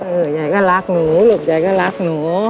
ยายก็รักหนูลูกยายก็รักหนู